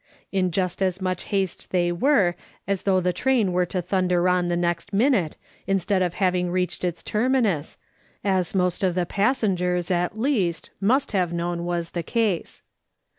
In just as much haste they were as though the train were to G 82 MRS. SOLOMON SMITH LOOKING ON. thunder on the next minute, instead of liaving reached its terminus, as most of the passengers, at least, must liave known was tlio case.